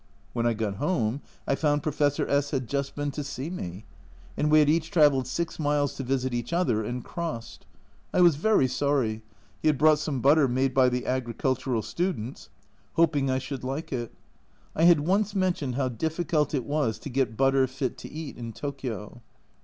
When I got home I found Professor S had just been to see me ! and we had each travelled 6 miles to visit each other, and crossed. I was very sorry. He had brought some butter, made by the agricultural students, hoping I should like it. I had once mentioned how difficult it was to get butter fit to eat in Tokio.